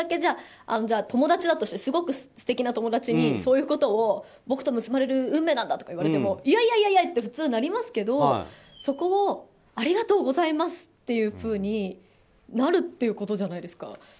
友達だとしてすごく素敵な友達に僕と結ばれる運命なんだ！って言われてもいやいやいやって普通なりますけどそこをありがとうございますっていうふうになるってことじゃないですか。